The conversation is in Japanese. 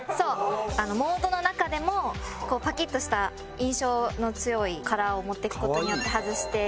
モードの中でもパキッとした印象の強いカラーを持っていく事によってハズして。